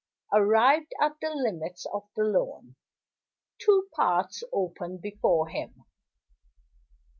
Arrived at the limits of the lawn, two paths opened before him.